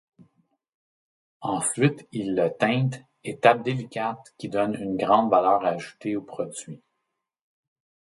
Ensuite, ils le teintent, étape délicate qui donne une grande valeur ajoutée au produit.